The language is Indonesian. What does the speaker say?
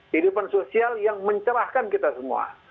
hidupan sosial yang mencerahkan kita semua